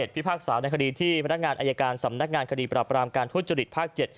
พิพากษาในคดีที่พนักงานอายการสำนักงานคดีปรับรามการทุจริตภาค๗